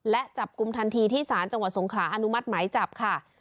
และจับกลุ่มทันทีที่ศาลจังหวัดสงขลาอนุมัติหมายจับค่ะ